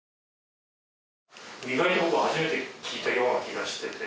意外と僕は初めて聞いたような気がしてて。